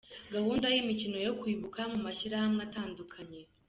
Gahunda y’imikino yo kwibuka mu mashyirahamwe atandukanye:.